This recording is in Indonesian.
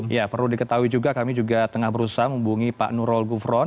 ya perlu diketahui juga kami juga tengah berusaha menghubungi pak nurul gufron